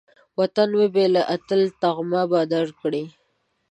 وطن وبېله، اتل تمغه به درکړي